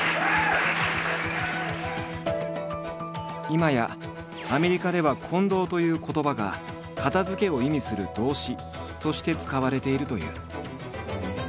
今やアメリカでは「コンドー」という言葉が「片づけ」を意味する動詞として使われているという。